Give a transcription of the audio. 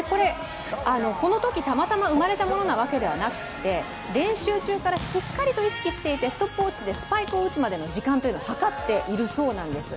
このとき、たまたま生まれたものではなくて練習中からしっかりと意識していて、ストップウォッチでスパイクを打つまでの時間を計っているそうなんです。